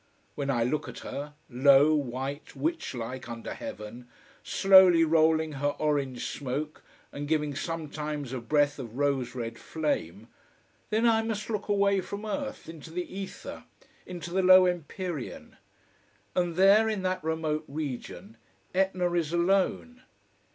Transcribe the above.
When I look at her, low, white, witch like under heaven, slowly rolling her orange smoke and giving sometimes a breath of rose red flame, then I must look away from earth, into the ether, into the low empyrean. And there, in that remote region, Etna is alone.